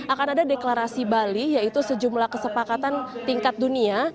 akan ada deklarasi bali yaitu sejumlah kesepakatan tingkat dunia